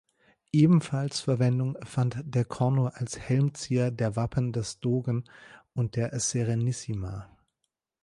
Ebenfalls Verwendung fand der Corno als Helmzier der Wappen des Dogen und der Serenissima.